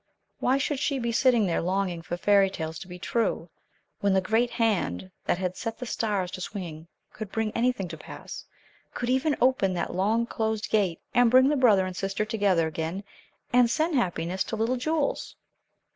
Why should she be sitting there longing for fairy tales to be true, when the great Hand that had set the stars to swinging could bring anything to pass; could even open that long closed gate and bring the brother and sister together again, and send happiness to little Jules?